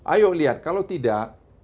ayo lihat kalau tidak